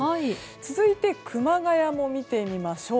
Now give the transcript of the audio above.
続いて、熊谷も見てみましょう。